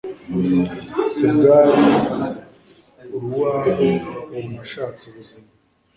sibwari uruwabo ubu nashatse ubuzima